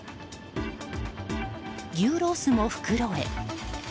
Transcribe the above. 牛ロースも袋へ。